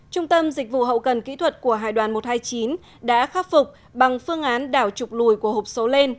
trung tâm dịch vụ hậu cần kỹ thuật của hải đoàn một trăm hai mươi chín đã khắc phục bằng phương án đảo trục lùi của hộp số lên